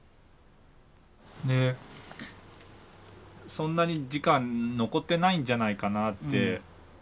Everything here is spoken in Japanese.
「そんなに時間残ってないんじゃないかな」って